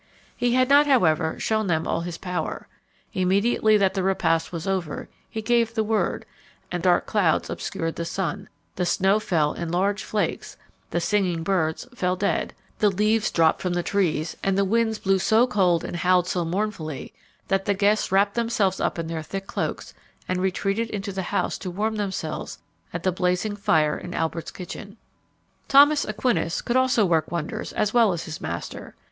He had not, however, shewn them all his power. Immediately that the repast was over, he gave the word, and dark clouds obscured the sun the snow fell in large flakes the singing birds fell dead the leaves dropped from the trees, and the winds blew so cold and howled so mournfully, that the guests wrapped themselves up in their thick cloaks, and retreated into the house to warm themselves at the blazing fire in Albert's kitchen. Lenglet, Histoire de la Philosophie Hermétique. See also Godwin's Lives of the Necromancers. Thomas Aquinas also could work wonders as well as his master.